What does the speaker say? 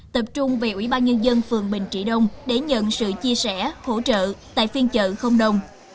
tập trung về ủy ban nhân dân phường bình trị đông để nhận sự chia sẻ hỗ trợ tại phiên chợ không đồng